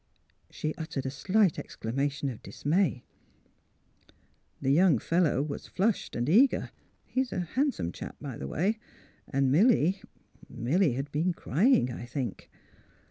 She uttered a slight exclamation of dismay. '' The young fellow was Jflushed and eager — he's a handsome chap, by the way — and Milly — Milly had been crying, I think."